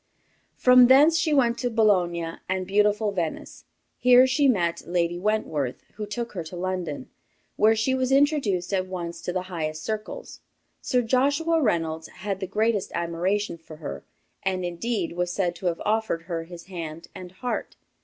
From thence she went to Bologna and beautiful Venice. Here she met Lady Wentworth, who took her to London, where she was introduced at once to the highest circles. Sir Joshua Reynolds had the greatest admiration for her, and, indeed, was said to have offered her his hand and heart.